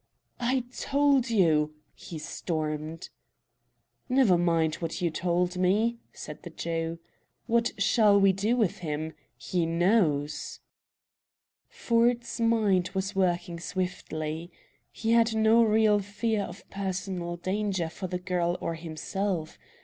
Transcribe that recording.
"I told you " he stormed. "Never mind what you told me," said the Jew. "What shall we do with him? He knows!" Ford's mind was working swiftly. He had no real fear of personal danger for the girl or himself.